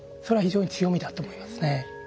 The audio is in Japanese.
それは非常に強みだと思いますね。